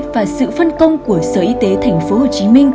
và sự phân công của sở y tế tp hcm